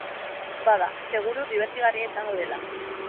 Bada, seguru dibertigarria izango dela.